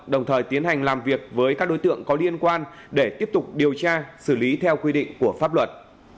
đồng thời tiến hành làm việc với các đối tượng có liên quan để tiếp tục điều tra xử lý theo quy định của pháp luật